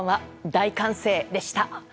大歓声でした。